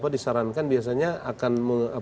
disarankan biasanya akan